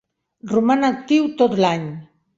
Roman actiu tot l'any.